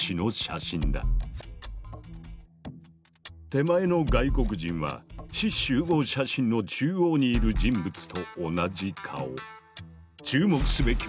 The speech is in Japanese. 手前の外国人は志士集合写真の中央にいる人物と同じ顔。